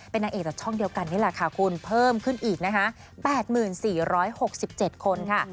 นางเอกจากช่องเดียวกันนี่แหละค่ะคุณเพิ่มขึ้นอีกนะคะ๘๔๖๗คนค่ะ